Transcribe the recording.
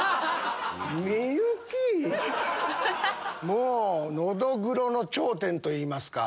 もうのどぐろの頂点といいますか。